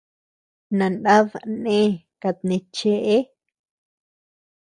Nanad në kat neʼe cheʼe.